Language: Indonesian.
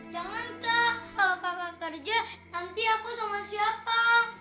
jangan kah kalau kakak kerja nanti aku sama siapa